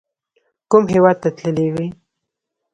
کوم هیواد ته تللي وئ؟